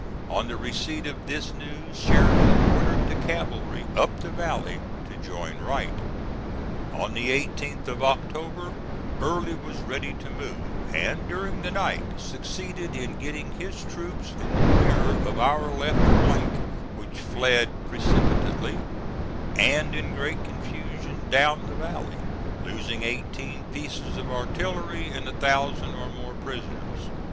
On the receipt of this news Sheridan ordered the cavalry up the valley to join Wright. On the 18th of October Early was ready to move, and during the night succeeded in getting his troops in the rear of our left flank, which fled precipitately and in great confusion down the valley, losing eighteen pieces of artillery and a thousand or more prisoners.